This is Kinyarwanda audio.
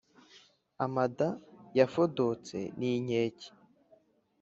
Amada yafodotse ni inkeke